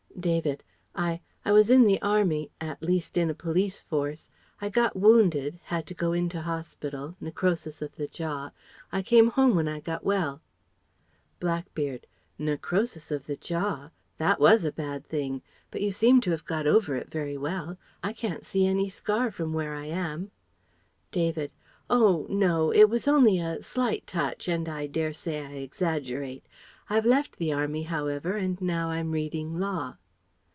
David: "I I was in the army ... at least in a police force ... I got wounded, had to go into hospital necrosis of the jaw ... I came home when I got well..." Blackbeard: "Necrosis of the jaw! That was a bad thing. But you seem to have got over it very well. I can't see any scar from where I am..." David: "Oh no. It was only a slight touch and I dare say I exaggerate ... I've left the Army however and now I'm reading Law..."